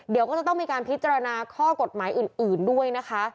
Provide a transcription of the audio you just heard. เดี๋ยวก็จะต้องมีการพิจารณาข้อกฎหมายอื่นด้วยนะคะ